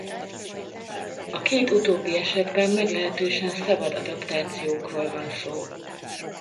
A két utóbbi esetben meglehetősen szabad adaptációkról van szó.